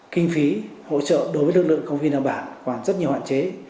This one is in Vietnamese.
kinh phí hỗ trợ đối với lực lượng công viên ở bản còn rất nhiều hoạn chế